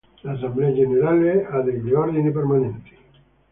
L'Assemblea generale ha degli ordini permanenti.